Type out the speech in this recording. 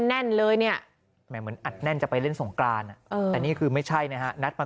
แน่นเลยเนี่ยเหมือนอัดแน่นจะไปเล่นสงกรานแต่นี่คือไม่ใช่นะฮะนัดมา